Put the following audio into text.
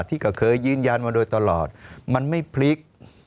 ที่ก็เคยยืนยันมาโดยตลอดมันไม่พลิก